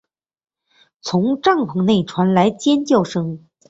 从帐篷内传来尖叫声